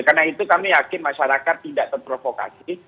karena itu kami yakin masyarakat tidak terprovokasi